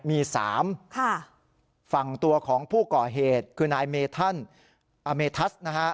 มีสามค่ะฝั่งตัวของผู้ก่อเหตุคือนายเมธันอ่าเมธัตรนะคะ